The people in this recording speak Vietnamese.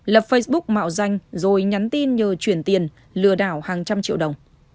lập facebook mạo danh rồi nhắn tin nhờ chuyển tiền lừa đảo hàng trăm triệu đồng